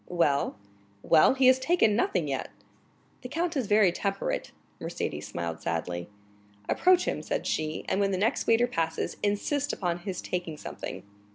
"Well?" "Well, he has taken nothing yet." "The count is very temperate." Mercédès smiled sadly. "Approach him," said she, "and when the next waiter passes, insist upon his taking something."